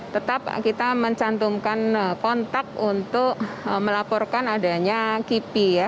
tetap kita mencantumkan kontak untuk melaporkan adanya kipi ya